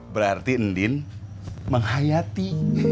berarti ndin menghayati